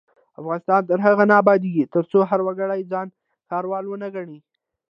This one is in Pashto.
افغانستان تر هغو نه ابادیږي، ترڅو هر وګړی ځان ښاروال ونه ګڼي.